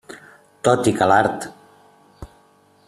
Tot i que l'art.